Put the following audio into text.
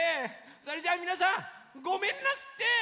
それじゃみなさんごめんなすって！